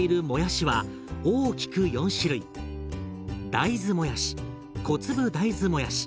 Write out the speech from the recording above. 大豆もやし小粒大豆もやし